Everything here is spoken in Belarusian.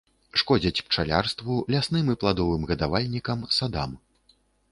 Шкодзяць пчалярству, лясным і пладовым гадавальнікам, садам.